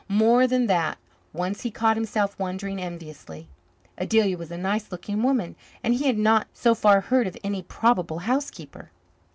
More than that, once he caught himself wondering enviously. Adelia was a nice looking woman, and he had not so far heard of any probable housekeeper.